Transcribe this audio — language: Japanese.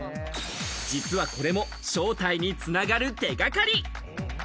実はこれも正体に繋がる手掛かり。